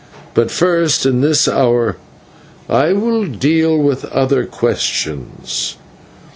But first in this hour I will deal with other questions.